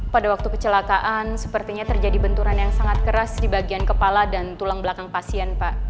pada waktu kecelakaan sepertinya terjadi benturan yang sangat keras di bagian kepala dan tulang belakang pasien pak